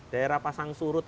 daerah pasang surut